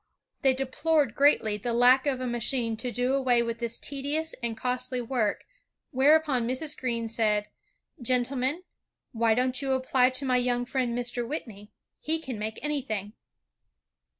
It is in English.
They deplored greatly the lack of a machine to do away with this tedious and costly work, whereupon Mrs. Greene said, " Grentlemen, why don't you apply to my young friend Mr. Whitney; he can make anything.''